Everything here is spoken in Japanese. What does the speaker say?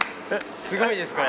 すごいですこれ。